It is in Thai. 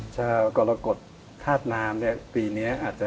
เก้าเรากฎทาสนามเนี่ยปีเนี้ยอาจจะ